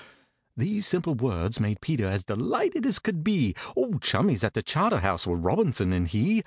These simple words made PETER as delighted as could be, Old chummies at the Charterhouse were ROBINSON and he!